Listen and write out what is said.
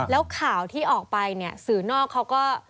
แล้วข่าวที่ออกไปเนี่ยสื่อนอกเขาก็